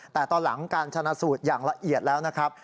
แต่ตอนหลังการชนะสูตรอย่างละเอียดแล้วนะครับ